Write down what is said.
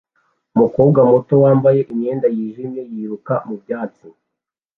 umukobwa muto wambaye imyenda yijimye yiruka mubyatsi